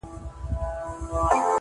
بنده ليري مښلولې، خداى لار ورته نيولې.